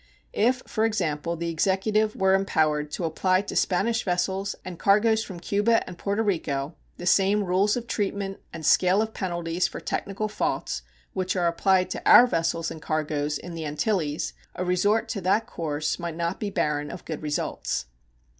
If, for example, the Executive were empowered to apply to Spanish vessels and cargoes from Cuba and Puerto Rico the same rules of treatment and scale of penalties for technical faults which are applied to our vessels and cargoes in the Antilles, a resort to that course might not be barren of good results.